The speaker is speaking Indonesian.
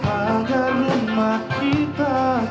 agar rumah kita